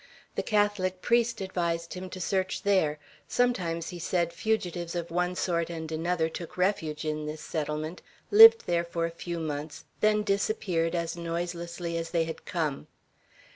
The Catholic priest advised him to search there; sometimes, he said, fugitives of one sort and another took refuge in this settlement, lived there for a few months, then disappeared as noiselessly as they had come.